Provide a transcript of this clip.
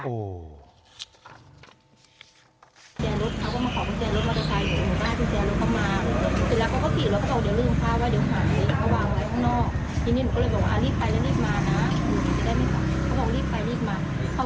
อ่ารีบไปแล้วรีบมานะเขาก็บอกรีบไปรีบมา